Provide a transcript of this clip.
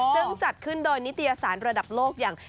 ซึ่งจัดขึ้นโดยนิตยสารระดับโลกอย่าง